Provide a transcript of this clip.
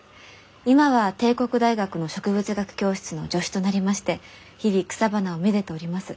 今は帝国大学の植物学教室の助手となりまして日々草花をめでております。